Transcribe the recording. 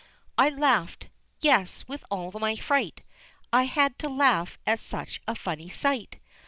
I laughed, yes, with all my fright I had to laugh at such a funny sight.